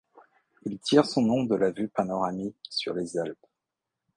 Il tire son nom de la vue panoramique sur les Alpes.